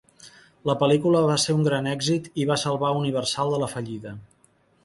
La pel·lícula va ser un gran èxit i va salvar Universal de la fallida.